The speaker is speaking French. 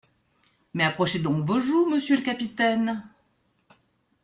Mais approchez donc vos joues, monsieur le capitaine…